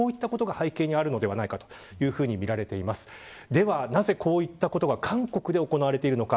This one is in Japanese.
では、なぜこういったことが韓国で行われているのか。